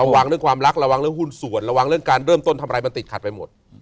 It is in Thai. ระวังเรื่องความรักหุ้นส่วนเริ่มต้นทำอะไรมันติดขัดไปหมด